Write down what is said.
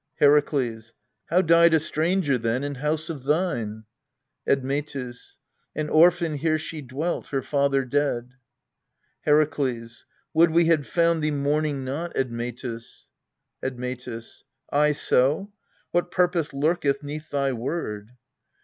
Herakles. How died a stranger then in house of thine ? Admetus. An orphan here she dwelt, her father dead. Herakles. Would we had found thee mourning not, Admetus ! Admetus. Ay so ? what purpose lurketh 'neath thy word